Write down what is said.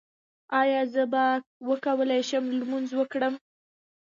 ایا زه به وکولی شم لمونځ وکړم؟